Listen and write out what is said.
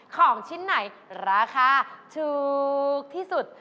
ของชิ้นไหนราคาถูกที่สุด